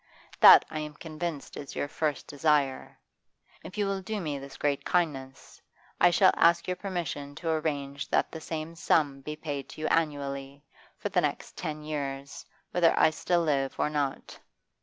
That I am convinced is your first desire. If you will do me this great kindness, I shall ask your permission to arrange that the same sum be paid to you annually, for the next ten years, whether I still live or not.